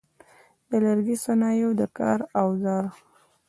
د لرګي د صنایعو د کار اوزار: